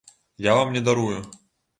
Я вам не дарую.